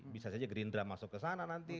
bisa saja gerindra masuk ke sana nanti